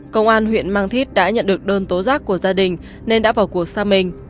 công an huyện mang thít đã nhận được đơn tố giác của gia đình nên đã vào cuộc xa mình